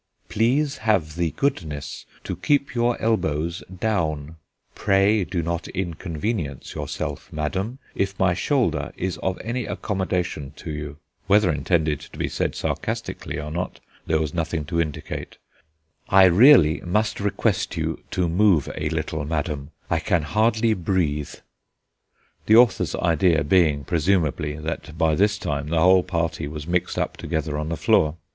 "Please have the goodness to keep your elbows down" "Pray do not inconvenience yourself, madam, if my shoulder is of any accommodation to you," whether intended to be said sarcastically or not, there was nothing to indicate "I really must request you to move a little, madam, I can hardly breathe," the author's idea being, presumably, that by this time the whole party was mixed up together on the floor.